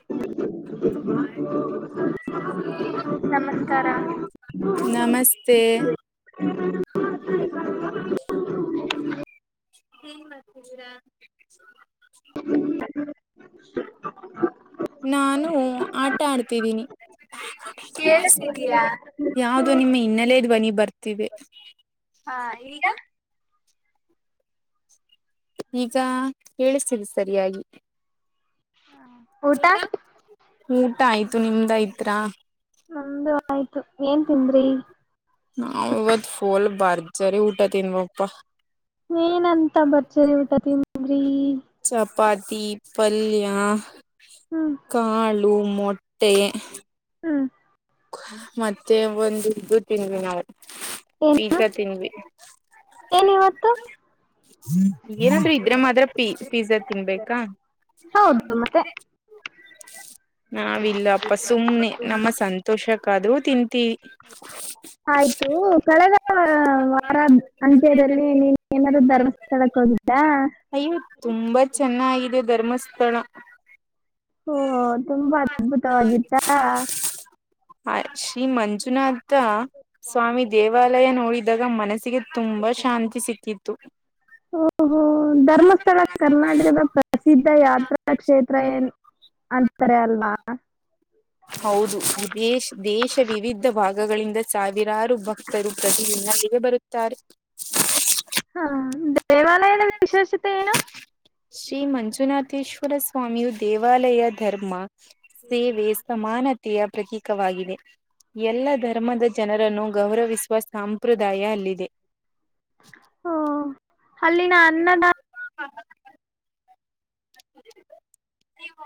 [inaudible] ನಮಸ್ಕಾರ ನಮಸ್ಕಾರ ನಮಸ್ತೆ. [inaudible] [inaudible] ಏನ್ ಮಾಡ್ತಿದ್ದೀರಾ. [inaudible] ನಾನು ಆಟ ಆಡ್ತಿದ್ದೀನಿ [inaudible] ಕೇಳಸ್ತಿದೆಯಾ. ಕೇಳಿಸ್ತಿದಯಾ ಯಾವದೋ ನಿಮ್ಮ ಹಿನ್ನೆಲೆ ಧ್ವನಿ ಬರ್ತಿದೆ. ಹಾ ಈಗ. ಈಗ ಕೇಳ್ತಿದೇ ಸರಿಯಾಗಿ. [inaudible] ಊಟಾ ಊಟ ಆಯ್ತು ನಿಮ್ದಾಯತ್ರಾ. ನಮ್ದು ಆಯ್ತು ಏನ್ ತಿಂದ್ರಿ. ಓಲ ಬರ್ಜರಿ ಊಟ ತಿನ್ವಪ್ಪ. ಏನಂತ ಬರ್ತರಿ ಊಟ ತಿಂದ್ರಿ. ಚಪಾತಿ ಪಲ್ಯ ಹ್ಮ್ ಕಾಳು ಮೊಟ್ಟೆ. ಹ್ಮ್. ಮತ್ತೆ ಒಂದು ಇದು ತಿನ್ವಿ ನಾವು ಏನ್ ಪೀಜಾ ತಿನ್ವಿ. ಏನ್ ಇವತ್ ಏನಾದ್ರೂ ಇದ್ರೆ ಮಾತ್ರ ಪಿ ಪಿಜಾ ತಿನ್ಬೇಕಾ. ಹೌದು ಮತ್ತೆ [inaudible] ನಾವಿಲ್ಲ ಅಪ್ಪ ಸುಮ್ನೆ ನಮ್ಮ ಸಂತೋಷಕ್ಕ ಅದು ತಿಂತ ತಿವಿ. ಆಯ್ತು ಕಳೆದ ವಾರ ಅಂತ್ಯದಲ್ಲಿ ನೀ ಏನಾದ್ರು ಧರ್ವಾಸ್ಥಳಕ್ಕೆ ಹೋಗಿದ್ದಾ. ಅಯ್ಯೋ ತುಂಬಾ ಚೆನ್ನಾಗಿದೆ ಧರ್ಮಸ್ಥಳ. ಓ ತುಂಬಾ ಅದ್ಭುತವಾಗಿತ್ತಾ. ಹ ಶ್ರೀ ಮಂಜುನಾಥ ಸ್ವಾಮಿ ದೇವಾಲಯ ನೋಡಿದ ದಾಗ ಮನಸ್ಸಿಗೆ ತುಂಬಾ ಶಾಂತಿ ಸಿಕ್ಕಿತ್ತು. ಹ ಧರ್ಮಸ್ಥಳ ಕರ್ನಾಟಕದ ಪ್ರಸಿದ್ಧ ಯಾತ್ರಾ ಕ್ಷೇತ್ರ ಏನ್ ಅಂತಾರೆ ಅಲ್ವಾ. ಹೌದು ದೇಶ್ ದೇಶ ವಿವಿಧ ಭಾಗಗಳಿಂದ ಸಾವಿರಾರು ಭಕ್ತರು ಪ್ರತಿ ದಿನಲ್ಲಯೇ ಬರುತ್ತಾರೆ. [inaudible] ಹಾ ದೇವಾಲಯದ ವಿಶೇಷತೆ ಏನು. ಶ್ರೀ ಮಂಜುನಾಥೇಶ್ವರ ಸ್ವಾಮಿ ದೇವಾಲಯ ಧರ್ಮ ಸೇವೆ ಸಮಾನತೆಯ ಪ್ರತೀಕವಾಗಿದೆ ಎಲ್ಲ ಧರ್ಮದ ಜನರನ್ನು ಗೌರವಿಸ ಸುವ ಸಂಪ್ರದಾಯ ಅಲ್ಲಿದೆ. ಹ ಅಲ್ಲಿನ ಅನ್ನ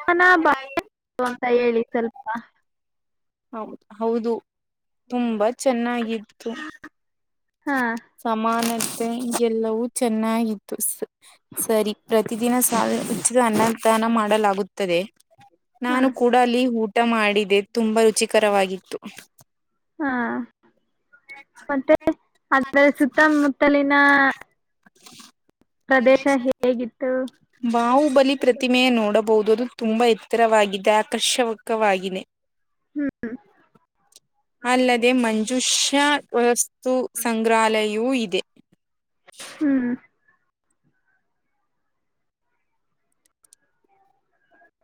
ಹಾನ ಬ ಅಂತ ಹೇಳಿ ಸ್ವಲ್ಪ. ಹೌದು ತುಂಬಾ ಚೆನ್ನಾಗಿತ್ತು. ಹಾ ಸಮಾನತೆಗೆಲ್ಲವೂ ಚೆನ್ನಾಗಿತ್ತು ಸರಿ. ಪ್ರತಿದಿನ ಸಾವಿರ ಅನ್ನದಾನ ಮಾಡಲಾಗುತ್ತದೆ ಹಾ ನಾನು ಕೂಡ ಅಲ್ಲಿ ಊ. ಮಾಡಿದೆ ತುಂಬಾ ರುಚಿಕರವಾಗಿತ್ತು. ಹಾ ಮತ್ತೆ ಅದ್ರ ಸುತ್ತಮುತ್ತಲಿನ. ಪ್ರದೇಶ ಪ್ರದೇಶಕ್ಕೆ. ಹೇಗಿತ್ತು ಬಾಹುಬಲಿ ಪ್ರತಿಮೆಯ ನೋಡಬಹುದುುದು ತುಂಬಾ ಎತ್ತರವಾಗಿದೆ ಆಕರ್ಷಕವಾಗಿದೆ. ಹ್ಮ್. ಅಲ್ಲದೆ ಮಂಜುಷ್ಯ ವಸ್ತು ಸಂಗ್ರಹಾಲಯವೂ ಇದೆ. ಹ್ಮ್.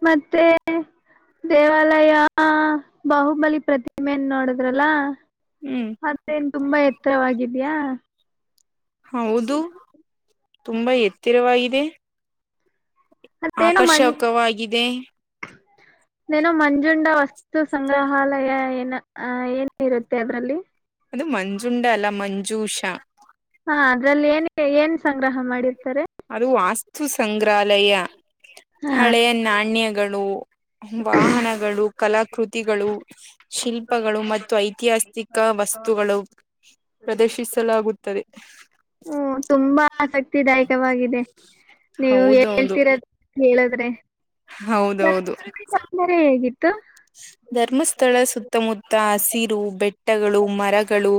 ಮತ್ತೆ. ದೇವಾಲಯ ಬಾಹುಬಲಿ ಪ್ರತಿಮೆನ್ ನೋಡುದ್ರಲ್ಲ. ಹ್ಮ್. ಮತ್ತೇನ್ ತುಂಬಾ ಎತ್ತರವಾಗಿದ್ಯಾ. ಹೌದು ತುಂಬಾ ಎತ್ತಿರವಾಗಿದೆ. ಮತ್ತೇನ ಮನ್ ಆಕರ್ಷಕವಾಗಿದೆ [inaudible] ಏನೋ ಮಂಜುಂಡ ವಸ್ತು ಸಂಗ್ರಹಾಲಯ ಏನ ಅ ಏನ ಇರುತ್ತೆ ಅದರಲ್ಲಿ. ಅದು ಮಂಜುಂಡ ಅಲ್ಲ ಮಂಜೂಷಾ. ಹಾ ಅದ್ರಲ್ಲಿ ಏನ್ ಏನ್ ಸಂಗ್ರಹ ಮಾಡಿರ್ತಾರೆ. ಅದು ವಾಸ್ತು ಸಂಗ್ರಹಾಲಯ ಹಾ ಹಳೆಯ ನಾಣ್ಯಗಳು. ವಾಹನಗಳು ಕಲಾಕೃತಿಗಳು. ಶಿಲ್ಪಗಳು ಮತ್ತು ಐತಿಹಾಸಿಕ ವಸ್ತುಗಳು. ಪ್ರದರ್ಶಿಸಲಾಗುತ್ತದೆ. ಹ್ಮ ತುಂಬಾ. ಆಸಕ್ತಿದಾಯಕವಾಗಿದೆ ನೀವು ಹೌದೌದು ಹೇಳ್ತಿರೋದ ಕೇಳಿದ್ರೆ. ಹೌದೌದು. ಮರ ಹೇಗಿತ್ತು. ಧರ್ಮಸ್ಥಳ ಸುತ್ತಮುತ್ತ ಹಸಿರು ಬೆಟ್ಟಗಳು ಮರಗಳು.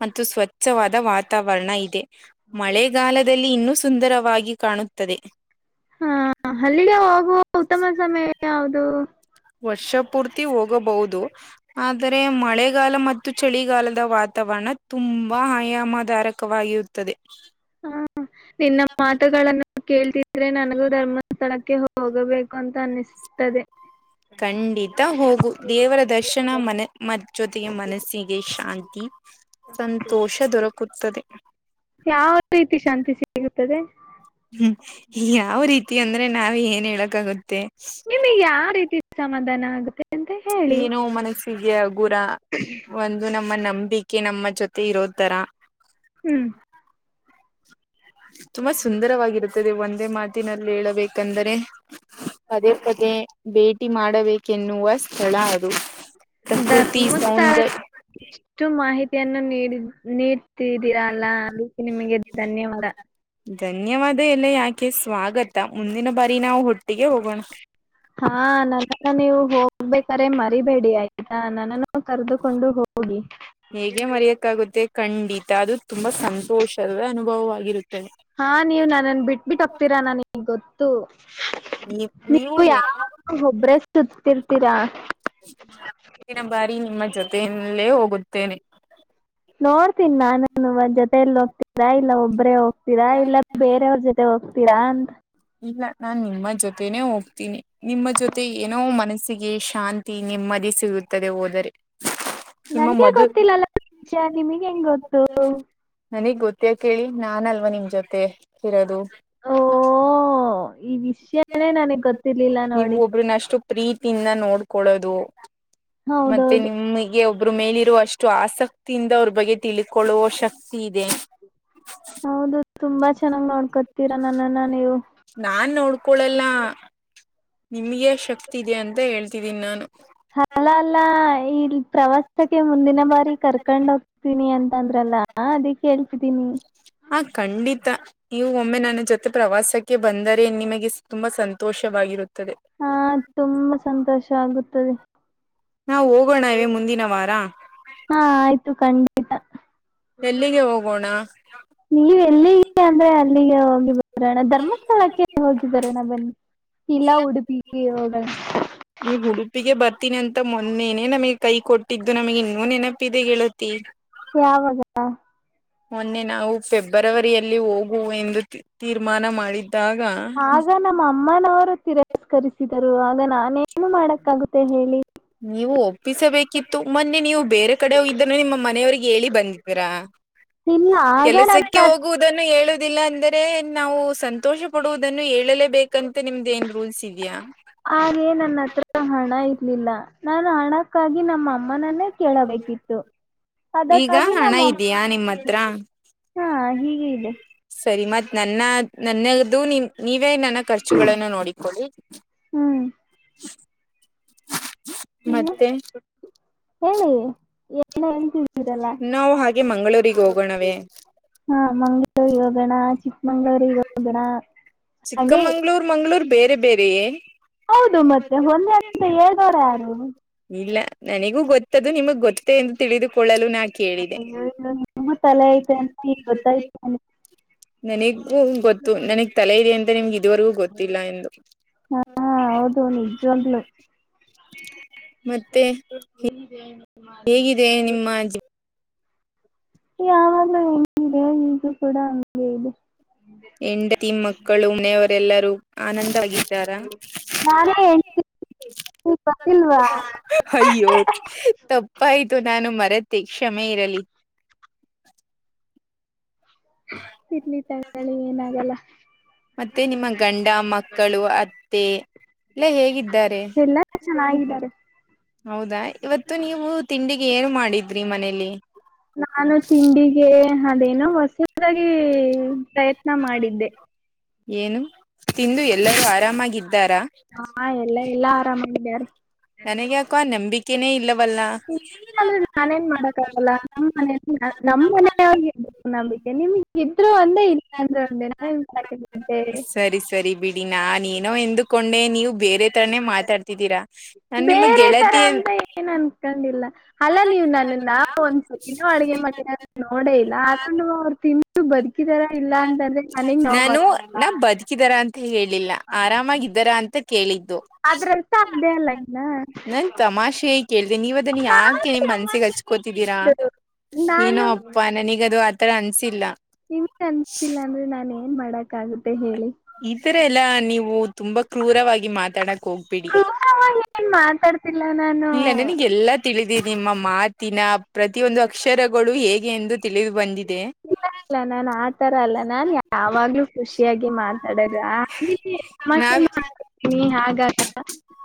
ಮತ್ತು ಸ್ವಚ್ ಉಚ್ಚವಾದ ವಾತಾವರಣ ಇದೆ ಮಳೆಗಾಲದಲ್ಲಿ ಇನ್ನೂ ಸುಂದರವಾಗಿ ಕಾಣುತ್ತದೆ. ಹಾ ಅಲ್ಲಿಗೆ ಹೋಗುವ ಉತ್ತಮ ಸಮಯ ಯಾವುದೂ. ವರ್ಷ ಪೂರ್ತಿ ಹೋಗಬಹುದು ಆದ್ರೆ ಮಳೆ. ಚಳಿಗಾಲ ಮತ್ತು ಚಳಿಗಾಲದ ವಾತಾವರಣ ತುಂಬಾ ಆಯಾಮದಾರಕವಾಗಿರುತ್ತದೆ. ಹಾ ನಿನ್ನ ಮಾತುಗಳನ್ನ. ಕೇಳ್ತಿದ್ರೆ ನನಗೂ ಧರ್ಮಸ್ಥಳಕ್ಕೆ ಹೋಗಬೇಕು ಅಂತ ಅನ್ನಿಸುತ್ತದೆ. ಖಂಡಿತ ಹೋಗು ದೇವರ ದರ್ಶನ ಮನ ಮ ಜೊತೆಗೆ ಮನಸ್ಸಿಗೆ ಶಾಂತಿ. ಸಂತೋಷ ದೊರಕುತ್ತದೆ. ಯಾವ ರೀತಿ ಶಾಂತಿ ಸಿಗುತ್ತದೆ. ಹ್ಮ್ ಯಾವ ರೀತಿ ಅಂದ್ರೆ ನಾವ್ ಏನ್ ಹೇಳಕ್ಗುತ್ತೆ. ನಿಮಗ್ ಯಾವ ರೀತಿ ಸಮಾಧಾನ ಆಗುತ್ತೆ. ಅಂತ ಹೇಳಿ ಏನು ಮನಸ್ಸಿಗೆ ಗುರ ಒಂದು ನಮ್ಮ ನಂಬಿಕೆ. ಅಕೆ ನಮ್ಮ ಜೊತೆ ಇರೋತರ. ಹ್ಮ್. ತುಂಬಾ ಸುಂದರವಾಗಿರುತ್ತದೆ ಒಂದೇ ಮಾತಿನಲ್ಲಿ ಹೇಳಬೇಕಂದರೆ. ಪದೇ ಪದೇ ಭೇಟಿ ಮಾಡಬೇಕೆನ್ನುವ ಸ್ಥಳ ಅದು. ಪ್ರಕೃತಿ ಧರ್ಮಸ್ಥಳ ಸೌಂದರ್ಯ ಇಷ್ಟು ಮಾಹಿತಿಯನ್ನು ನೀಡ ನೀಡ್ತಿದ್ದೀರ ಅಲ್ಲ ಅದಕ್ಕೆ ನಿಮಗೆ ಧನ್ಯವಾದ. ಧನ್ಯವಾದ ಎಲ್ಲ ಯಾಕೆ ಸ್ವಾಗತ ಮುಂದಿನ ಬಾರಿ ನಾವು ಹುಟ್ಟ [inaudible] [inaudible] ಹಾ ನನ್ನನ್ನು ನೀವು ಹೋಗ್ಬೇಕ್ರೆ ಮರಿಬೇಡಿ ಆಯ್ತಾ ನನ್ನನ್ನು ಕರೆದುಕೊಂಡು ಹೋಗಿ. ಹೇಗೆ ಮರೆಯಕ್ಕಾಗುತ್ತೆ ಖಂಡಿತ ಅದು ತುಂಬಾ ಸಂತೋಷದ ಅನುಭವವಾಗಿರುತ್ತದೆ. ಹಾ ನೀವ್ ನನ್ನನ್ ಬಿಟ್ಬಿಟ್ಟ ಹೋಗ್ತೀರಾ ನನ್ಗ್ ಗೊತ್ತು. ನೀ ನೀವು ಯಾವ್ ಒಬ್ಬ್ರೇಷ್ಹ್ಟೋತ್ ತ್ತಿರ್ತೀರಾ. ಮುಂದಿನ ಬಾರಿ ನಿಮ್ಮ ಜೊತೆಯಲ್ಲೇ ಹೋಗುತ್ತೇನೆ. ನೋಡ್ತೀನಿ ನಾನು [unintelligible] ಜೊತೆಯಲ್ಲಿ ಹೋಗ್ತೀರಾ ಇಲ್ಲ ಒಬ್ರೇ ಹೋಗ್ತೀರಾ ಇಲ್ಲ ಬೇರೆಯವ್ರ ಜೊತೆ ಹೋಗ್ತೀರಾ ಅಂತ ಇಲ್ಲ ನಾನ್ ನಿಮ್ಮ ಜೊತೆನೆೇ ಹೋಗ್ತೀನಿ ನಿಮ್ಮ ಜೊತೆ ಏನೋ ಮನಸ್ಸಿಗೆ ಶಾಂತ ಶಾಂತಿ ನೆಮ್ಮದಿ ಸಿಗುತ್ತದೆ ಹೋದರೆ. ನಿಮ್ಮ ನನ್ಗೆ ಮಧು ಗೊತ್ತಿಲ್ಲಲ್ಲಾ [unintelligible] ನಿಮಗ್ ಹೆಂಗ್ ಗೊತ್ತು. ನನಗ್ ಗೊತ್ತ ಯಾಕ್ ಕೇಳಿ ನಾನ್ ಅಲ್ವಾ ನಿಮ್ ಜೊತೆ ಇರೋದು. ಓ ಈ ವಿಷ್ಯನೇ ನನಗ್ ಗೊತ್ತಿರ್ಲಿಲ್ಲ ನೀವು ನೋಡಿ. ಒಬ್ರನ್ನ ಅಷ್ಟು ಪ್ರೀತಿಯಿಂದ ನೋಡ್ಕೊಳ್ಳೋದು ಮತ್ತೆ ಹೌದೌದು ನಿಮಗೆ ಒಬ್ಬರು ಮೇಲಿರುವಷ್ಟ ಅಷ್ಟು ಆಸಕ್ತಿಯಿಂದ ಅವ್ರ ಬಗ್ಗೆ ತಿಳ್ಕೊಳ್ಳುವ ಶಕ್ತಿ ಇದೆ. ಹೌದು ತುಂಬಾ ಚೆನ್ನಾಗ್ ನೋಡ್ಕೊತೀರಾ ನನ್ನನ್ನ ನೀವು. ನಾನ್ ನೋಡ್ಕೊಳಲ್ಲ ನಿಮಗೆ ಶಕ್ತಿ ಇದೆ ಅಂತ ಹೇಳ್ತಿದೀನಿ ನಾನು. ಅಲ್ಲ ಅಲ್ಲ ಇ ಪ್ರವಾಸಕ್ಕೆ ಮುಂದಿನ ಬಾರಿ ಕರ್ಕೊಂಡ್ ಹೋಗ್ತೀನಿ ಅಂತಂದ್ರಲ್ಲ. ಹಾ ಅದೇ ಕೇಳ್ತಿದ್ದೀನಿ. ಹ ಖಂಡಿತ. ನೀವು ಒಮ್ಮೆ ನನ್ನ ಜೊತೆ ಪ್ರವಾಸಕ್ಕೆ ಬಂದರೆ ನಿಮಗೆ ತುಂಬಾ ಸಂತೋಷವಾಗಿರುತ್ತದೆ. ಹಾ ತುಂಬಾ ಸಂತೋಷ ಆಗುತ್ತದೆ. ನಾವು ಹೋಗೋಣವೆ ಮುಂದಿನ ವಾರ. ಹಾ ಆಯ್ತು ಖಂಡಿತ. ಎಲ್ಲಿಗೆ ಹೋಗೋಣ. ನೀವ್ ಎಲ್ಲಿಗೆ ಅಂದ್ರೆ ಅಲ್ಲಿಗೆ ಹೋಗಿ ಬರೋಣ ಧರ್ಮಸ್ಥಳಕ್ಕೆ ಹೋಗಿ ಬರೋಣ ಬನ್ನಿ. ಇಲ್ಲಾ ಉಡುಪಿಗೆ ಹೋಗೋಣ. ನೀ ಉಡುಪಿಗೆ ಬರ್ತೀನಿ ಅಂತ ಮೊನ್ನೇನೆ ನಮಗೆ ಕೈ ಕೊಟ್ಟಿದ್ದು ನಮಗೆ ಇನ್ನೊ ನೆನಪ ಇದೆ ಗೆಳತೀ. ಯಾವಾಗ. ಮೊನ್ನೆ ನಾವು ಫೆಬ್ರವರಿಯಲ್ಲಿ ಹೋಗುವ ಎಂದು ತೀರ್ಮಾನ ಮಾಡಿದ್ದಾಗ. ಆಗ ನಮ್ಮ ಅಮ್ಮನವರು ತಿರಸ್ಕರಿಸಿದರು ಆಗ ನಾನೇನು ಮಾಡಕ್ಕಾಗುತ್ತೆ ಹೇಳಿ. ನೀವು ಒಪ್ಪಿಸಬೇಕಿತ್ತು ಮೊನ್ನೆ ನೀವು ಬೇರೆ ಕಡೆ ಹೋಯಿದ್ದನ್ನು ನಿಮ್ಮ ಮನೆಯವ್ರಿಗೆ ಹೇಳಿ ಬಂದಿದೀರಾ. ಇಲ್ಲ ಆಗ ಕೆಲಸಕ್ಕೆ ನನ್ನ ಹೋಗುವು ದನ್ನು ಹೇಳುವುದಿಲ್ಲ ಅಂದರೆ ನಾವು ಸಂತೋಷ ಪಡುವುದನ್ನು ಹೇಳಲ ಬೇಕಂತ ನಿಮ್ದ ಏನ್ ರೂಲ್ಸ್ ಇದೆಯಾ. ಹಾಗೇ ನನ್ನ ಹತ್ರ ಹಣ ಇರ್ಲಿಲ್ಲ ನಾನು ಹಣಕ್ಕಾಗಿ ನಮ್ಮಅಮ್ಮನನ್ನೇ ಕೇಳಬೇಕಿತ್ತು ಈಗ ಅದಕ್ಕಾಗಿ ಹಣ ನಮ್ಮ ಇದೆಯಾ ನಿಮ್ಮ ಹತ್ರ. ಹಾ ಹೀಗೆ ಇದೆ ಸರಿ ಮತ್ ನನ್ನ ನನ್ನದು ನೀವೇ ನನ್ನ ಖರ್ಚುಳನ್ನು ನೋಡಿಕೊಳ್ಳಿ ಹ್ಮೂ. ಇನ್ನು ಮತ್ತೆ ಹೇಳಿ ಏನೋ ಹೇಳ್ತಿದೀರಲಾ ನಾವು ಹಾಗೆ ಮಂಗಳೂರಿಗೆ ಹೋಗೋಣವೇ ಹಾ ಮಂಗಳೂರಿಗೆ ಹೋಗೋಣಾ ಚಿಕ್ಕಮಂಗಳೂರಿಗೆ ಹೋಗೋಣಾ ಚಿಕ್ಕಮಂಗ್ಳೂರು ಮಂಗಳೂರು ಬೇರೆ ಬೇರೆಯೆ ಹೌದು ಮತ್ತೆ ಒಂದೇ ಅಂತ ಹೇಳ್ದೋರ್ ಯಾರು ಇಲ್ಲ ನನಗೂ ಗೊತ್ತದು ನಿಮಗ್ ಗೊತ್ತೇ ಎಂದು ತಿಳಿದುಕೊಳ್ಳಲು ನಾನ್ ಅಯ್ಯೊಯ್ಯೊ ನಿಮ್ಗೂ ತಲೆ ಐತೆ ಅಂತ ಈಗ ಗೊತ್ತಾಯ್ತು ನನಿಗೂ ಗೊತ್ತು ನನಿಗ್ ತಲೆ ಇದೆ ಅಂತ ನಿಮ್ಗೆ ಇದುವರೆಗೂ ಗೊತ್ತಿಲ್ಲ ಎಂದು ಹಾ ಹೌದು ನಿಜವಾಗ್ಲು [unintelligible] [inaudible] ಮತ್ತೆ [unintelligible] ಹೇಗಿದೆ ನಿಮ್ಮ ಜೀ ಯಾವಾಗ್ಲೂ ಹೆಂಗ ಇದೆ ಈಗ್ಲೂ ಕೂಡ ಹಂಗೆ ಇದೆ ಹೆಂಡತಿ ಮಕ್ಕಳು ಮನೆಯವರೆಲ್ಲರೂ ಆನಂದವಾಗಿದ್ದಾರಾ ನಾನೇ ಹೆಂಡ್ತಿ [unintelligible] ಗೊತ್ತಿಲ್ವಾ ಅಯ್ಯೋ ತಪ್ಪಾಯ್ತು ನಾನು ಮರೆತ್ ತ್ತಿ ಕ್ಷಮೆ ಇರಲಿ. ಇರ್ಲಿ ತಗಳಿ ಏನಾಗಲ್ಲಾ ಮತ್ತೆ ನಿಮ್ಮ ಗಂಡ ಮಕ್ಕಳು ಅತ್ತೆ ಎಲ್ಲ ಹೇಗಿದ್ದಾರೆ [inaudible] ಎಲ್ಲಾರೂ ಚೆನ್ನಾಗಿದ್ದಾರೆ. ಹೌದಾ ಇವತ್ತು ನೀವು ತಿಂಡಿಗೆ ಏನು ಮಾಡಿದ್ರಿ ಮನೇಲಿ ನಾನು ತಿಂಡಿಗೆ ಅದೇನೋ ಹೊಸದಾಗಿ ಪ್ರಯತ್ನ ಮಾಡಿದ್ದೆ ಏನು ತಿಂದು ಎಲ್ಲರೂ ಆರಾಮಾಗಿದ್ದಾರಾ ಹಾ ಎಲ್ಲ ಎಲ್ಲಾ ಆರಾಮಾಗಿದಾರೆ ನನಗ್ಯಾಕೋ ನಂಬಿಕೆನೇ ಇಲ್ಲವಲ್ಲಾ ಇಲ್ಲ ಅಂದ್ರೆ ನಾನೆನ್ ನಾನೇನ್ ಮಾಡಕ್ಕಾಗಲ್ಲ ನಮ್ ಮನೆ [unintelligible] ನಮ್ ನಮ್ಮ ಮನೆ ಮನೆಯವ್ರಿಗೆ ನಂಬಿಕೆ ನಿಮ್ಗ ಇದ್ರು ಒಂದೆ ಇಲ್ಲಾ ಅಂದ್ರ ಒಂದೆ ನಾನೆನ್ ಮಾಡಾಕಾಗತ್ತೆ ಸರಿ ಸರಿ ಬಿಡಿ ನಾನ್ ಏನೋ ಎಂದುಕೊಂಡೆ ನೀವ್ ಬೇರೆ ತರಾನೇ ಮಾತಾಡ್ತಿದ್ದೀರಾ ನಾನ್ ನಿಮ್ಮ ಬೇರೆ ಗೆಳತಿ ತರಾ ಅಂತ ಏನ್ ಅನ್ಕೊಂಡಿಲ್ಲಾ ಅಲ್ಲಾ ನೀವ ನನ್ನನ್ನಾ ಒಂದ್ ಸರ್ತಿನು ಅಡಗೆ ಮಡಿರದ್ ನೋಡೇ ಇಲ್ಲ ಆದ್ರೂನು ಅವ್ರು ತಿ ಬದಕಿದಾರಾ ಇಲ್ಲ ಅಂತಂದ್ರೆ ನನಿಗ್ ನೊವ ನಾನು ನಾ ಬದುಕಿದಾರ ಅಂತ ಹೇಳಿಲ್ಲ ಆರಾಮಾಗಿದ್ದಾರ ಅಂತ ಕೇಳಿದ್ದು ಅದ್ರರ್ಥ ಅದೇ ಅಲ್ಲ [unintelligible] ಇನ್ನ ನಾನ್ ತಮಾಷೆ ಕೇಳ್ದೆ ನೀವ್ ಅದನ್ನ ನಾನು ಯಾಕೆ ಮನ್ಸಿಗೆ ಹಚ್ಕೋತಿದ್ದೀರಾ ಏನೋ ನಾನು ಅಪ್ಪಾ ನನಿಗದು ಆತರ ಅನ್ಸಿಲ್ಲಾ ನಿಮಗೆ ಅನ್ಸಿಲ್ಲ ಅಂದ್ರೆ ನಾನ್ ಏನ್ ಮಾಡಕ್ ಆಗುತ್ತೆ ಹೇಳಿ ಈತರಾ ಎಲ್ಲಾ ನೀವು ತುಂಬಾ ಕ್ರೂರವಾಗಿ ಮಾತಾಡಕ್ ಹೋಗ್ಬೇಡಿ ಕ್ರೂರವಾಗಿ ಏನ್ ಮಾತಾಡ್ತಿಲ್ಲ ನಾನ ಇಲ್ಲ ನನಗೆ ಎಲ್ಲಾ ತಿಳಿದೀದೆ ನಿಮ್ಮ ಮಾತಿನ ಪ್ರತಿಯೊಂದು ಅಕ್ಷರ ಗಳು ಹೇಗೆ ಎಂದು ತಿಳಿದು ಬಂದಿದೆ. ಇಲ್ಲ ಇಲ್ಲ ನಾನ್ ಆತರ ಅಲ್ಲ ನಾನ್ ಯಾವಾಗ್ಲೂ ಖುಷಿಯಾಗಿ ಮಾತಾಡದು ನಾವ್ [unintelligible] ನೀ ಹಾಗಾಗ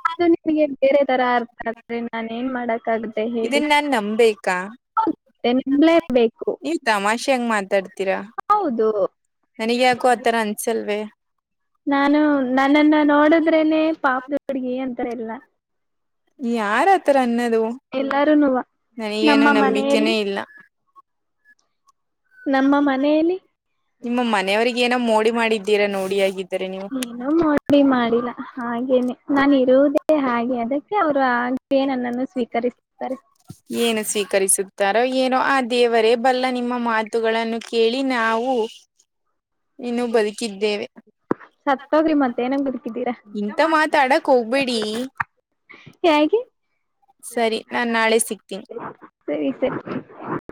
ಅದು ನಿಮಗೆ ಬೇರೆ ತರ ಅರ್ಥ ಆದ್ರೆ ನಾನೆನ್ ಮಾಡಕ್ ಗುತ್ತೆ ಹೇಳಿ ಇದನ್ ನಾನ್ ನಂಬೇಕಾ ಮತ್ತೆ [unintelligible] ಬೇಕು. ತಮಾಷೆಯಾಗ್ ಮಾತಾಡ್ತೀರಾ. ಹೌದು ನನಿಗ್ ಯಾಕೋ ಆತರ ಅನ್ಸಲ್ವೇ. ನಾನು ನನ್ನನ್ನ ನೋಡದ್ರೇನೆ ಪಾಪದ ಹುಡ್ಗಿ ಅಂತಾರೆಲ್ಲ. ಯಾರ ಆತರ ಅನ್ನೋದು ಎಲ್ಲಾರುನುವ ನಮ್ಮ ನನಗೇನೋ ನಂಬಿಕೆನೇ ಮನೆಯಲ್ಲಿ. ಇಲ್ಲ ನಮ್ಮ ಮನೆಯಲ್ಲಿ ನಿಮ್ಮ ಮನೆಯವರಿಗೇನೋ ಮೋಡಿ ಮಾಡಿದ್ದೀರಾ ನೋಡಿ ಆಗಿದ್ದರೆ ನೀವು. ಏನೂ ಮೋಡಿ ಮಾಡಿಲ್ಲ ಹಾಗೇನೆ ನಾನಿರೋದೇ ಹಾಗೆ ಅದಕ್ಕೆ ಅವ್ರ್ ಹಾಗ್ ಗೆ ನನ್ನನ್ನು ಸ್ವೀಕರಿಸುತ್ತಾರೆ. ಏನು ಸ್ವೀಕರಿಸುತ್ತಾರೋ ಏನೋ ಆ ದೇವರೇ ಬಲ್ಲ. ನಿಮ್ಮ ಮಾತುಗಳನ್ನು ಕೇಳಿ ನಾವು ಇನ್ನು ಬದುಕಿದ್ದೇವೆ. ಸತ್ತೋಗ್ರಿ ಮತ್ತೆ ಏನುಕ್ ಬದುಕಿದ್ದೀರಾ? ಇಂತ ಮಾತಾಡಕ್ ಹೋಗ್ಬೇಡಿ ಹ್ಯಾಗೆ? ಸರಿ ನಾನ್ ನಾಳೆ ಸಿಗ್ತೀನಿ. ಸರಿ ಸರಿ.